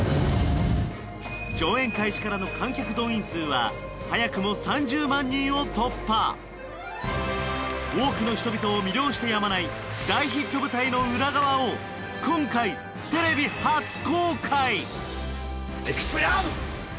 上演開始からの観客動員数は早くも３０万人を突破多くの人々を魅了してやまない大ヒット舞台の裏側を今回テレビ初公開！